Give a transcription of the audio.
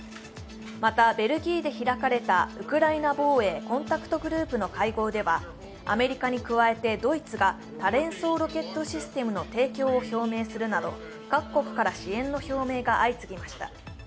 また、ベルギーで開かれたウクライナ防衛コンタクトグループの会合ではアメリカに加えてドイツが多連装ロケットシステムの提供を表明するなど、各国から支援の表明が相次ぎました。